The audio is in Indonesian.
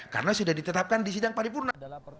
karena sudah ditetapkan di sidang paripurna